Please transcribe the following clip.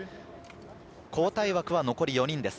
交代枠は残り４人です。